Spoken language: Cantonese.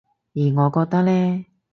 而我覺得呢